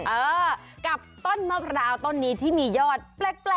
เออกับต้นมะพร้าวต้นนี้ที่มียอดแปลก